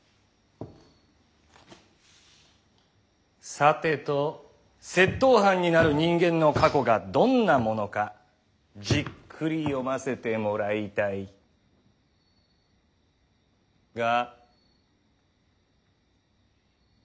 さてと窃盗犯になる人間の過去がどんなものかじっくり読ませてもらいたいが。